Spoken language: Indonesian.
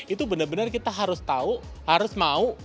itu benar benar kita harus tahu harus mau